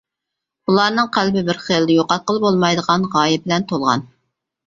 ئۇلارنىڭ قەلبى بىر خىل يوقاتقىلى بولمايدىغان غايە بىلەن تولغان.